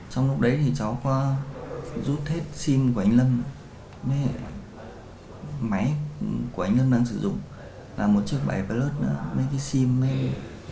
trong lúc đấy thì cháu có rút hết sim của anh lâm máy của anh lâm đang sử dụng là một chiếc bảy v nữa mấy cái sim mấy gì